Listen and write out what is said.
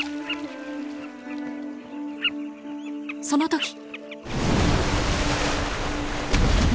その時！